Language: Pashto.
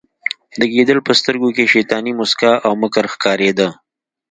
د ګیدړ په سترګو کې شیطاني موسکا او مکر ښکاریده